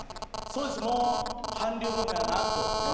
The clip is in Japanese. そうですもう韓流ブームやなと。